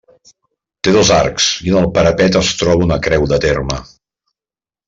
Té dos arcs i en el parapet es troba una creu de terme.